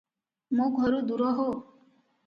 ମୋ ଘରୁ ଦୂର ହୋ!